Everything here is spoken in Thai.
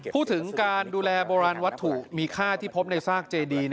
พูดถึงการดูแลโบราณวัตถุมีค่าที่พบในซากเจดี